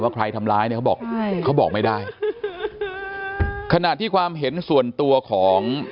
ว่าใครทำร้ายบอกเขาบอกไม่ได้ขนาดที่ความเห็นส่วนตัวของ